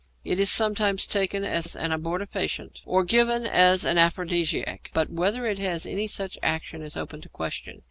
It is sometimes taken as an abortifacient or given as an aphrodisiac, but whether it has any such action is open to question.